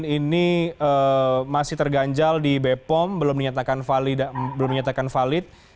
ini masih terganjal di b pom belum dinyatakan valid